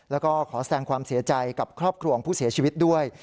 แล้วก็ขอแสงความเสียใจกับครอบครัวของผู้เสียชีวิตด้วย